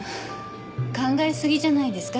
考えすぎじゃないですか？